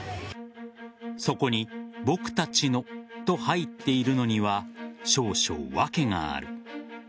そこにぼくたちのと入っているのには少々、訳がある。